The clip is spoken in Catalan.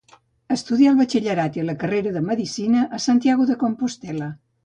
Estudià el batxillerat i la carrera de medicina a Santiago de Compostel·la.